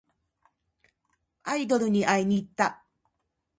アイドルに会いにいった。